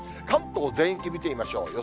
関東全域見てみましょう。